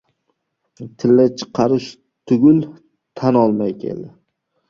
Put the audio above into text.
Tiliga chiqarish tugul, tan olmay keldi.